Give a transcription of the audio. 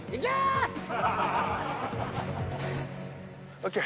ＯＫ。